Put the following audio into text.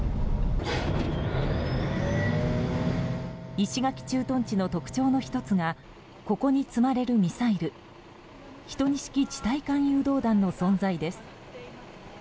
石垣駐屯地の特徴の１つがここに積まれるミサイル１２式地対艦誘導弾の存在です。